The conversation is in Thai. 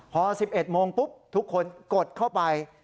พอ๑๑โมงปุ๊บทุกคนกดเข้าไป